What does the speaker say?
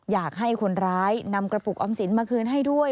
อยากให้คนร้ายนำกระปุกออมสินมาคืนให้ด้วย